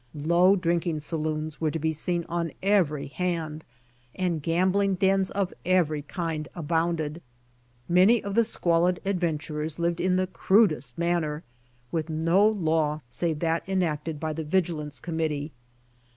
Low drinking saloons were to be seen on every hand, and gambling dens of every kind abounded. Many of the squalid adventurers lived in the crudest manner, with no law save that enacted by the Vigilance Committee.